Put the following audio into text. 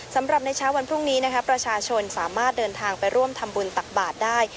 สำหรับในเช้าวันพรุ่งนี้นะคะประชาชนสามารถเดินทางไปร่วมทำบุญตักบาทได้